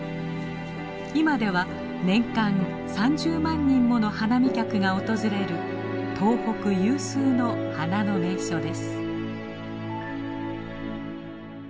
今では年間３０万人もの花見客が訪れる東北有数の花の名所です。